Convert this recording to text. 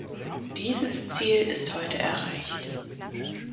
Dieses Ziel ist heute erreicht.